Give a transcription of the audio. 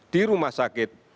di rumah sakit